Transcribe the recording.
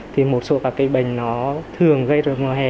thì một số các cái bệnh nó thường gây ra mùa hè